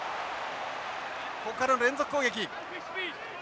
ここからの連続攻撃。